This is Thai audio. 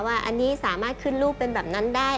ว่าอันนี้สามารถขึ้นรูปเป็นแบบนั้นได้